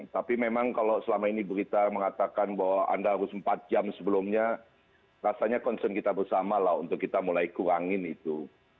tapi memang kalau selama ini berita mengatakan bahwa anda harus empat jam sebelumnya rasanya concern kita bersama lah untuk kita mulai kurangin itu